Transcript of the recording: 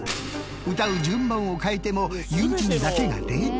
歌う順番を変えても友人だけが０点。